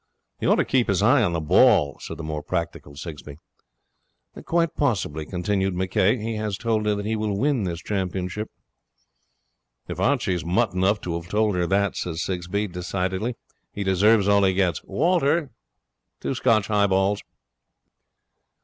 'He ought to keep his eye on the ball,' said the more practical Sigsbee. 'Quite possibly,' continued McCay, 'he has told her that he will win this championship.' 'If Archie's mutt enough to have told her that,' said Sigsbee decidedly, 'he deserves all he gets. Waiter, two Scotch highballs.'